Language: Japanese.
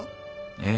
ええ。